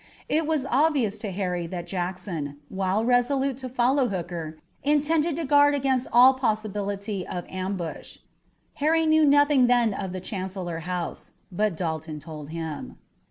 It was obvious to Harry that Jackson, while resolute to follow Hooker, intended to guard against all possibility of ambush. Harry knew nothing then of the Chancellor House, but Dalton told him.